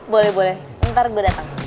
boleh boleh ntar gue datang